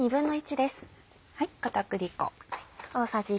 片栗粉。